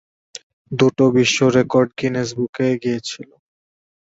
দুটো বিশ্ব record Guinness বুকে গিয়েছিল।